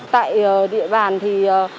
tại địa bàn thì